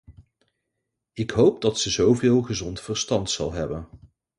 Ik hoop dat ze zoveel gezond verstand zal hebben.